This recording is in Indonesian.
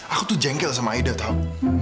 aku tuh jengkel sama ida tau